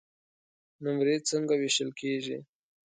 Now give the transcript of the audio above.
نمرې څنګه وېشل کیږي؟